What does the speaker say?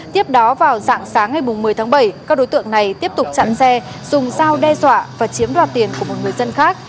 tiếp đó vào dạng sáng ngày một mươi tháng bảy các đối tượng này tiếp tục chặn xe dùng dao đe dọa và chiếm đoạt tiền của một người dân khác